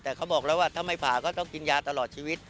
แต่เขาบอกแล้วว่าถ้าไม่ผ่าก็ต้องกินยาตลอดชีวิต